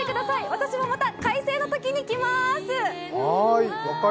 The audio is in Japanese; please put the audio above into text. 私も、また快晴のとき来まーす。